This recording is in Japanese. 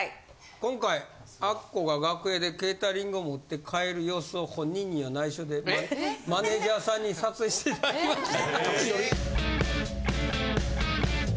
今回あっこが楽屋でケータリングを持って帰る様子を本人には内緒でマネジャーさんに撮影していただきました。